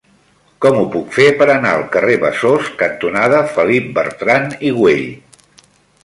Com ho puc fer per anar al carrer Besòs cantonada Felip Bertran i Güell?